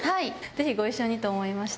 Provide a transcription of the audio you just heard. ぜひご一緒にと思いまして。